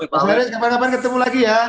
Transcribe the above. pak haris kapan kapan ketemu lagi ya